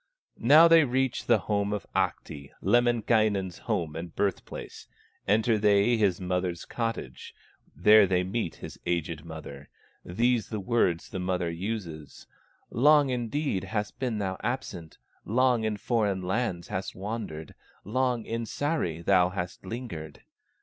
Now they reach the home of Ahti, Lemminkainen's home and birthplace, Enter they his mother's cottage; There they meet his aged mother, These the words the mother uses: "Long indeed hast thou been absent, Long in foreign lands hast wandered, Long in Sahri thou hast lingered!"